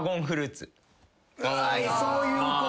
そういうことね。